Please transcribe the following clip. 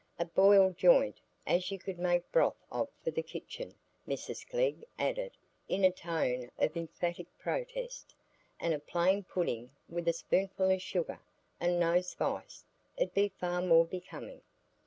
A boiled joint, as you could make broth of for the kitchen," Mrs Glegg added, in a tone of emphatic protest, "and a plain pudding, with a spoonful o' sugar, and no spice, 'ud be far more becoming."